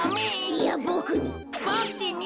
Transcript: いやボクに。